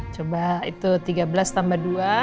coba itu tiga belas tambah dua